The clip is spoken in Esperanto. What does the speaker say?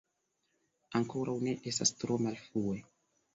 Ankoraŭ ne estas tro malfrue!